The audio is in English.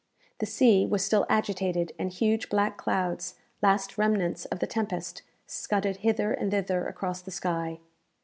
The sea was still agitated, and huge black clouds, last remnants of the tempest, scudded hither and thither across the sky.